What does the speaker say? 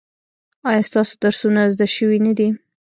ایا ستاسو درسونه زده شوي نه دي؟